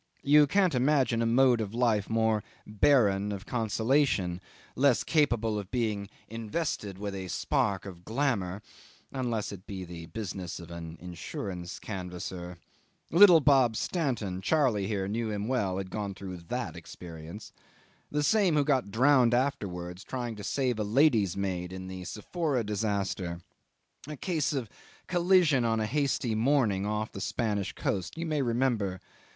You can't imagine a mode of life more barren of consolation, less capable of being invested with a spark of glamour unless it be the business of an insurance canvasser. Little Bob Stanton Charley here knew him well had gone through that experience. The same who got drowned afterwards trying to save a lady's maid in the Sephora disaster. A case of collision on a hazy morning off the Spanish coast you may remember.